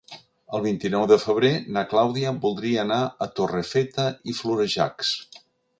El vint-i-nou de febrer na Clàudia voldria anar a Torrefeta i Florejacs.